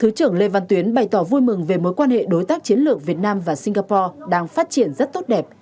thứ trưởng lê văn tuyến bày tỏ vui mừng về mối quan hệ đối tác chiến lược việt nam và singapore đang phát triển rất tốt đẹp